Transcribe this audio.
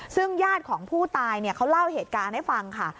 ซึ่งญาติของผู้ตายเขาเล่าเหตุการณ์ให้ฟังค่ะ